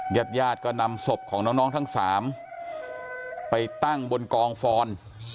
ญาติญาติก็นำศพของน้องทั้งสามไปตั้งบนกองฟอน